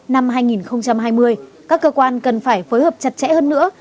năm hai nghìn hai mươi các cơ quan cần phải phối hợp chặt chẽ hơn nữa